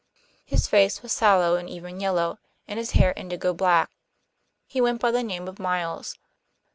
His face was sallow and even yellow, and his hair indigo black. He went by the name of Miles.